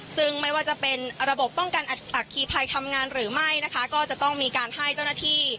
ซึ่งไม่ว่าจะเป็นระบบป้องกันอัตคีภัยทำงานหรือไม่นะคะก็จะต้องมีการให้เจ้าหน้าที่